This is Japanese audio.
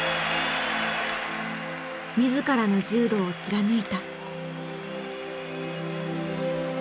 自らの柔道を貫いた。